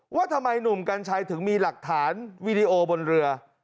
ว่าทำไมหนุ่มกัญชัยถึงมีหลักฐานวีดีโอบนเรือ